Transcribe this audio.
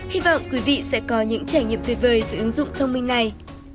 hy vọng quý vị sẽ có những trải nghiệm tuyệt vời với ứng dụng thông minh này